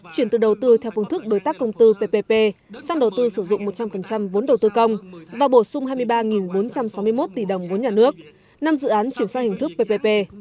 chuyển từ đầu tư theo phương thức đối tác công tư ppp sang đầu tư sử dụng một trăm linh vốn đầu tư công và bổ sung hai mươi ba bốn trăm sáu mươi một tỷ đồng vốn nhà nước năm dự án chuyển sang hình thức ppp